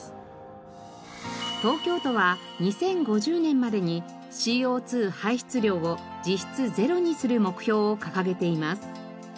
東京都は２０５０年までにＣＯ２排出量を実質ゼロにする目標を掲げています。